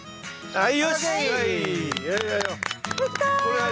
はい。